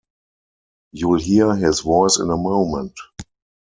You’ll hear his voice in a moment.